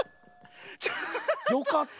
よかった。